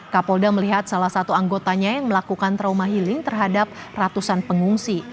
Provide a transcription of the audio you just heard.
kapolda melihat salah satu anggotanya yang melakukan trauma healing terhadap ratusan pengungsi